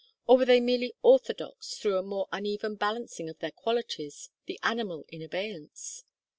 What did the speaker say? Or were they merely orthodox through a more uneven balancing of their qualities, the animal in abeyance?